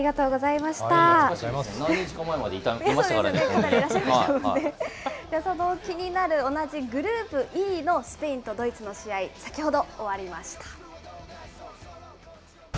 その気になる同じグループＥのスペインとドイツの試合、先ほど終わりました。